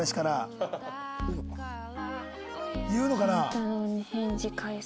言うのかな？